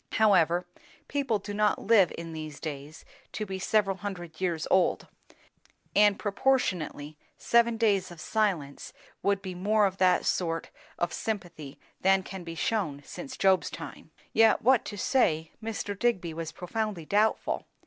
However, people do not live in these days to be several hundred years old; and proportionately, seven days of silence would be more of that sort of sympathy than can be shewn since Job's time. Yet what to say, Mr. Digby was profoundly doubtful.